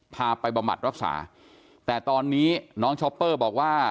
พาไปบำบัดรักษาแต่ตอนนี้น้องช็อปเปอร์บอกว่า